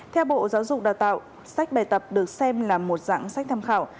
theo bộ giáo dục đào tạo sách bài tập được xem là một dạng sách tham khảo